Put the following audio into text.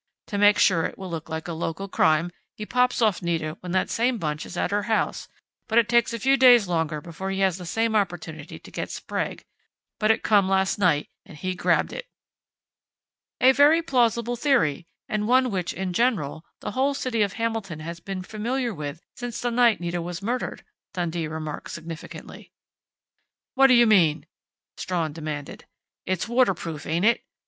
To make sure it will look like a local crime, he pops off Nita when that same bunch is at her house, but it takes a few days longer before he has the same opportunity to get Sprague. But it come last night and he grabbed it." "A very plausible theory, and one which, in general, the whole city of Hamilton has been familiar with since the night Nita was murdered," Dundee remarked significantly. "What do you mean?" Strawn demanded. "It's waterproof, ain't it?